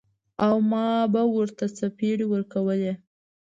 او ما به ورته څپېړې ورکولې.